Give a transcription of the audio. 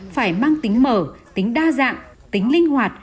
phải mang tính mở tính đa dạng tính linh hoạt